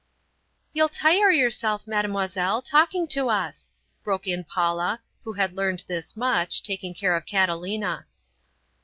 "You'll tire yourself, Mademoiselle, talking to us," broke in Paula, who had learned this much, taking care of Catalina.